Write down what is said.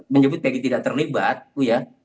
menyebut egy tidak terlibat ya